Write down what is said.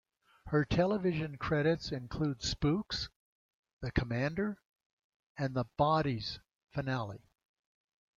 Her television credits include "Spooks", "The Commander" and the "Bodies" finale.